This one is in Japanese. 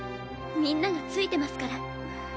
みんなが付いてますから。